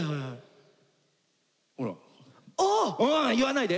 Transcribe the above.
あ言わないで！